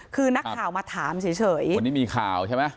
คือนักข่าวมาถามเฉยวันนี้มีข่าวใช่ไหม